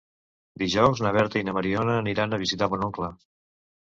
Dijous na Berta i na Mariona aniran a visitar mon oncle.